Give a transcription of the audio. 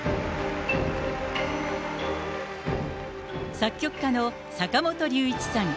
作曲家の坂本龍一さん。